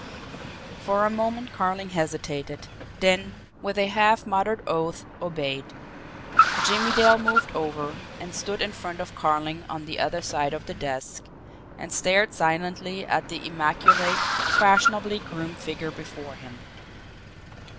For a moment Carling hesitated; then, with a half muttered oath, obeyed. Jimmie Dale moved over, and stood in front of Carling on the other side of the desk and stared silently at the immaculate, fashionably groomed figure before him.